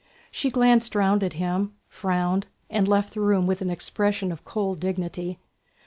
She glanced round at him, frowned, and left the room with an expression of cold dignity.